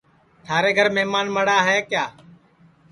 تھارے گھر مھمان مڑا ہے کیا